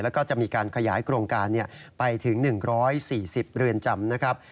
แล้วก็จะมีการขยายโครงการไปถึง๑๔๐เรือนจำนะครับ